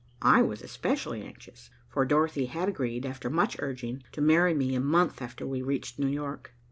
I was especially anxious, for Dorothy had agreed, after much urging, to marry me a month after we reached New York.